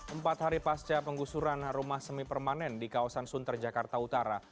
empat hari pasca penggusuran rumah semi permanen di kawasan sunter jakarta utara